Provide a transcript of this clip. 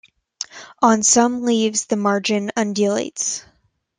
On some leaves the margin undulates.